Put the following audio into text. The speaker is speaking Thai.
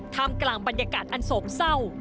กลางบรรยากาศอันโศกเศร้า